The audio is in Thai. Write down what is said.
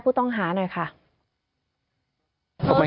โปรดติดตามต่อไป